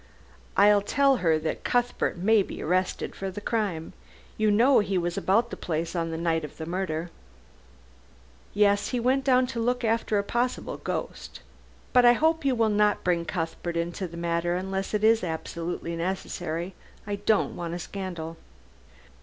"I'll tell her that Cuthbert may be arrested for the crime. You know he was about the place on the night of the murder." "Yes. He went down to look after a possible ghost. But I hope you will not bring Cuthbert into the matter unless it is absolutely necessary. I don't want a scandal."